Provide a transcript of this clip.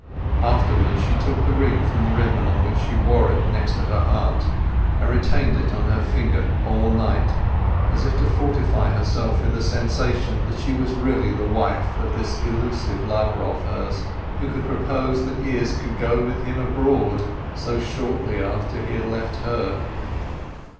Afterwards she took the ring from the ribbon on which she wore it next her heart, and retained it on her finger all night, as if to fortify herself in the sensation that she was really the wife of this elusive lover of hers, who could propose that Izz should go with him abroad, so shortly after he had left her.